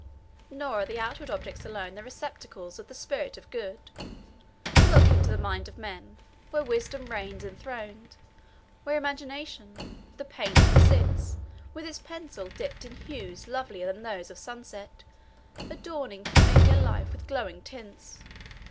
"Nor are outward objects alone the receptacles of the Spirit of Good. Look into the mind of man, where wisdom reigns enthroned; where imagination, the painter, sits, with his pencil dipt in hues lovelier than those of sunset, adorning familiar life with glowing tints.